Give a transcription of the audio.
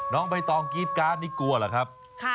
น้องใบตองกรี๊ดการ์ดนี่กลัวเหรอครับ